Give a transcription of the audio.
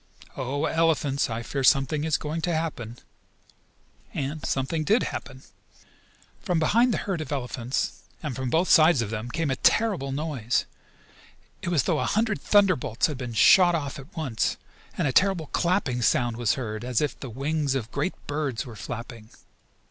Oh, elephants, I fear something is going to happen." And something did happen. From behind the herd of elephants, and from both sides of them, came a terrible noise. It was as though a hundred thunderbolts had been shot off at once, and a terrible clapping sound was heard, as if the wings of great birds were flapping.